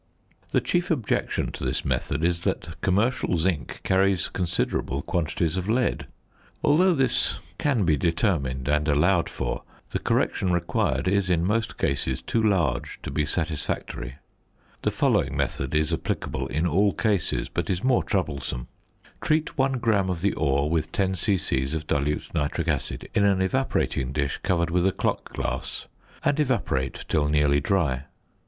The chief objection to this method is that commercial zinc carries considerable quantities of lead. Although this can be determined and allowed for, the correction required is in most cases too large to be satisfactory. The following method is applicable in all cases, but is more troublesome: Treat 1 gram of the ore with 10 c.c. of dilute nitric acid in an evaporating dish covered with a clock glass, and evaporate till nearly dry.